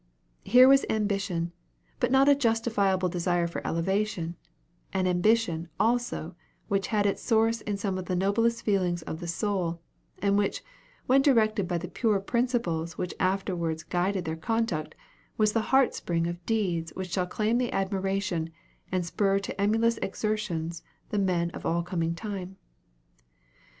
Here was ambition, but not a justifiable desire for elevation; an ambition, also, which had its source in some of the noblest feelings of the soul, and which, when directed by the pure principles which afterwards guided their conduct, was the heart spring of deeds which shall claim the admiration, and spur to emulous exertions, the men of all coming time.